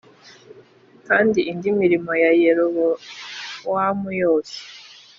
Kandi indi mirimo ya Yerobowamu yose